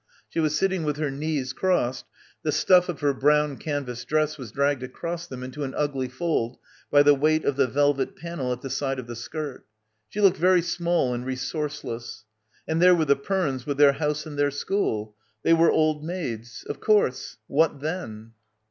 She was sitting with her knees crossed, the stuff of her brown canvas dress was dragged across them into an ugly fold by the weight of the velvet panel at the side of the skirt. She looked very small and resourceless. And there were the Pernes with their house and their school. They were old maids. Of course. What then?